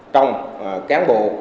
trong cán bộ